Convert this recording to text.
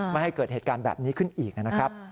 ไม่ให้เกิดเหตุการณ์แบบนี้ขึ้นอีกนะครับ